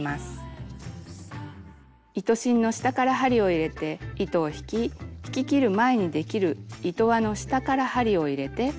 糸芯の下から針を入れて糸を引き引ききる前にできる糸輪の下から針を入れて引き締める。